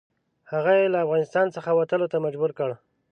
هغه یې له افغانستان څخه وتلو ته مجبور کړ.